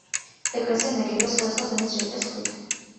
ეკლესია ნაგებია სხვადასხვა ზომის რიყის ქვით.